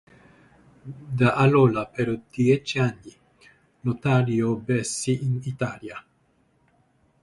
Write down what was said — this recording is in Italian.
Da allora, per dieci anni, Lotario visse in Italia.